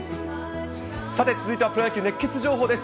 さて、続いてはプロ野球熱ケツ情報です。